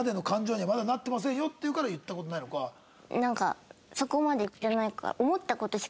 なんかそこまでいってないから。